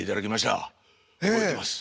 覚えてます。